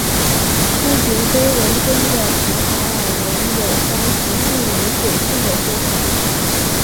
突厥碑文中的塔塔尔人有三十姓与九姓的说法。